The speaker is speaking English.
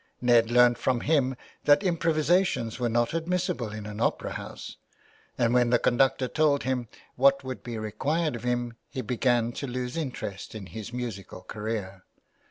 Ned learnt from him that improvisations were not admissible in an opera house ; and when the conductor told him what would be required of him he began to lose interest in his musical career.